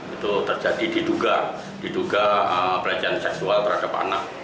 itu terjadi diduga diduga pelecehan seksual terhadap anak